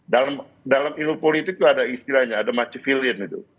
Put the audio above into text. dalam ilmu politik itu ada istilahnya ada macifilin itu